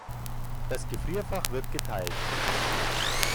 Das Gefrierfach wird geteilt.